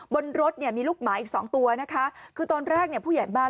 บนรถมีลูกหมาอีก๒ตัวนะคะคือตอนแรกผู้ใหญ่บ้าน